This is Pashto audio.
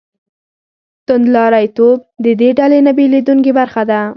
توندلاریتوب د دې ډلې نه بېلېدونکې برخه ده.